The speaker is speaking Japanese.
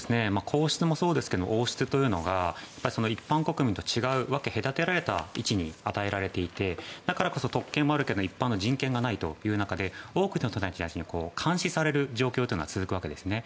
皇室もそうですけど王室というのが一般国民と違う分け隔てられた位置に与えられていてだからこそ、特権もあるけど一般の人権がない中で多くの人たちに監視される状況が続くわけですね。